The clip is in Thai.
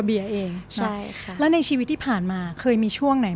เบียร์เองใช่ค่ะแล้วในชีวิตที่ผ่านมาเคยมีช่วงไหน